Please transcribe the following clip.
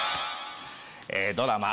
ドラマ